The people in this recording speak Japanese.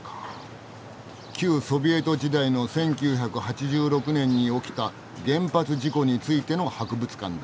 旧ソビエト時代の１９８６年に起きた原発事故についての博物館だ。